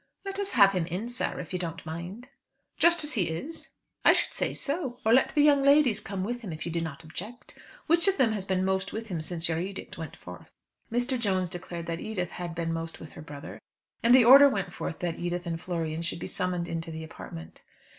"Let us have him in, sir, if you don't mind." "Just as he is?" "I should say so. Or let the young ladies come with him, if you do not object. Which of them has been most with him since your edict went forth?" Mr. Jones declared that Edith had been most with her brother, and the order went forth that Edith and Florian should be summoned into the apartment.